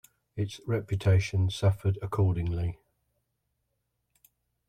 Its reputation suffered accordingly.